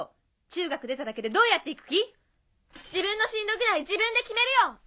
中学出ただけでどうやって行く気⁉自分の進路ぐらい自分で決めるよ！